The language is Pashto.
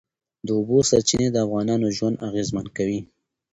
د اوبو سرچینې د افغانانو ژوند اغېزمن کوي.